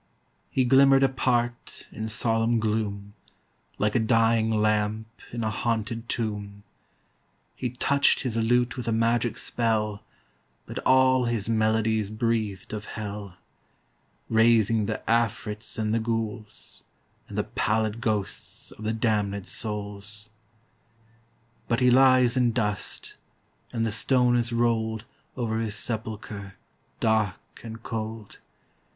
He glimmered apart In solemn gloom, Like a dying lamp in a haunted tomb. He touched his lute with a magic spell, But all his melodies breathed of hell, Raising the Afrits and the Ghouls, And the pallid ghosts Of the damned souls. But he lies in dust, And the stone is rolled Over his sepulchre dark and cold.